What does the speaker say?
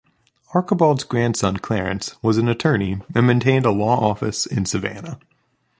Archibald's grandson, Clarance, was an attorney and maintained a law office in Savannah.